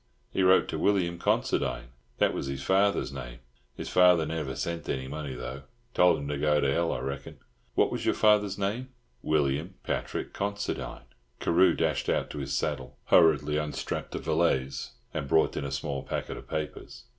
He wrote to William Considine. That was his father's name. His father never sent any money, though. Told him to go to hell, I reckon." "What was your father's name?" "William Patrick Considine." Carew dashed out to his saddle, hurriedly unstrapped a valise, and brought in a small packet of papers.